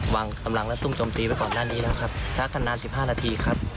วางกำลังและซุ่มจมตีไว้ก่อนหน้านี้แล้วครับทักกันนานสิบห้านาทีครับ